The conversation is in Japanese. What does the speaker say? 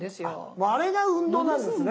あれが運動なんですね。